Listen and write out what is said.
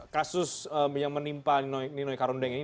kasus yang menimpa ninoi karundeng ini